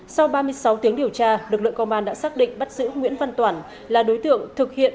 sau ba mươi sáu tiếng điều tra lực lượng công an đã xác định bắt giữ nguyễn văn toản là đối tượng thực hiện